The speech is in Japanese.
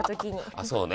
あそうね。